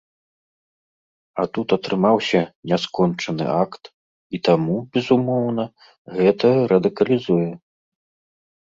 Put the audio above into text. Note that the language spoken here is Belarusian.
А тут атрымаўся няскончаны акт, і таму, безумоўна, гэта радыкалізуе.